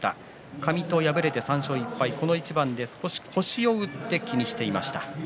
上戸、敗れて３勝１敗この一番で腰を打って気にしていました。